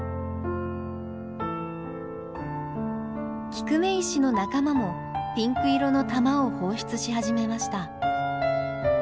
キクメイシの仲間もピンク色の玉を放出し始めました。